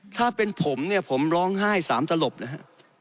ถ้าเป็นผมเนี่ยผมร้องไห้๓ตลบนะฮะ